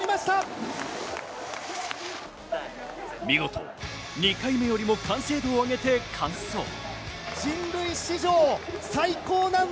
見事、２回目よりも完成度を上げて完走。